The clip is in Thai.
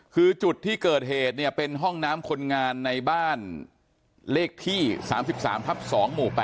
คือจุดที่เกิดเหตุเนี่ยเป็นห้องน้ำคนงานในบ้านเลขที่๓๓ทับ๒หมู่๘